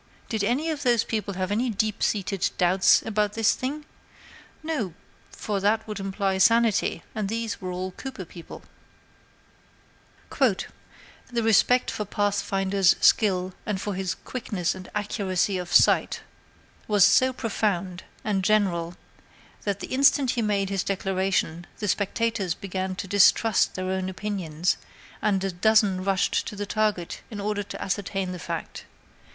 Did any of those people have any deep seated doubts about this thing? No; for that would imply sanity, and these were all Cooper people. "The respect for Pathfinder's skill and for his 'quickness and accuracy of sight'" (the italics [''] are mine) "was so profound and general, that the instant he made this declaration the spectators began to distrust their own opinions, and a dozen rushed to the target in order to ascertain the fact.